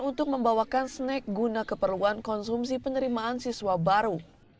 untuk membawakan snack guna keperluan konsumsi penerimaan siswa baru